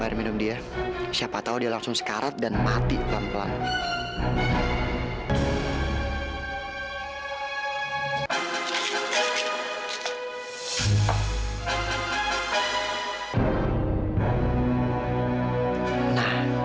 air minum dia siapa tahu dia langsung sekarat dan mati pelan pelan